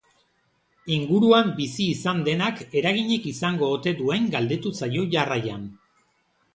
Inguruan bizi izan denak eraginik izango ote duen galdetu zaio jarraian.